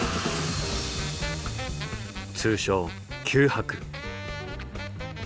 通称九博。